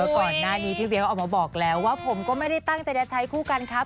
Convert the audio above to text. ก่อนหน้านี้พี่เวียวออกมาบอกแล้วว่าผมก็ไม่ได้ตั้งใจจะใช้คู่กันครับ